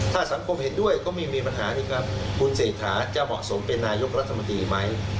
ถ้าสังคมเห็นด้วยก็ไม่มีปัญหานี่ครับคุณเศรษฐาจะเหมาะสมเป็นนายกรัฐมนตรีไหม